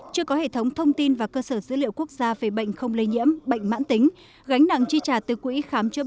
chưa có hệ thống thông tin và cơ sở dữ liệu quốc gia về bệnh không lây nhiễm bệnh mãn tính gánh nặng chi trả từ quỹ